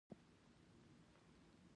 انعام ښه سړى دئ.